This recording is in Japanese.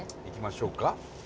行きましょうか？